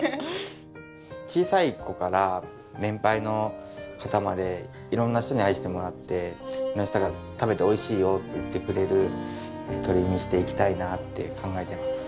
小さい子から年配の方まで色んな人に愛してもらって色んな人が食べておいしいよって言ってくれる鶏にしていきたいなって考えてます。